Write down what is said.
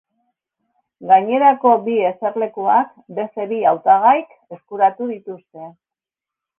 Gainerako bi eserlekuak beste bi hautagaik eskuratu dituzte.